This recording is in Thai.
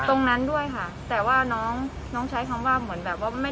ตรงนั้นด้วยค่ะแต่ว่าน้องน้องใช้คำว่าเหมือนแบบว่าไม่